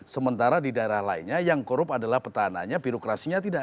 sementara di daerah lainnya yang korup adalah petahannya birokrasinya tidak